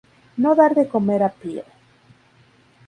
No dar de comer a Phil.